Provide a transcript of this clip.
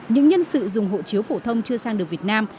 những nhân sự dùng hộ chiếu phổ thông chưa sang được việt nam